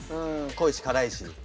濃いしからいし。